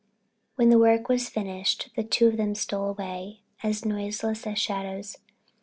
When the work was finished the two of them stole away, as noiseless as shadows.